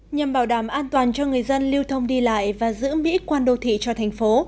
nhằm bảo đảm an toàn cho người dân lưu thông đi lại và giữ mỹ quan đô thị cho thành phố